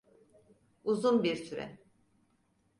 Uzun bir süre.